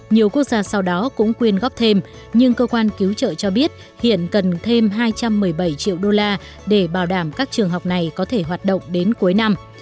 nhiều quốc gia sau đó cũng quyên góp thêm nhưng cơ quan cứu trợ cho biết hiện cần thêm hai trăm một mươi bảy triệu đô la để bảo đảm các trường học này có thể hoạt động đến cuối năm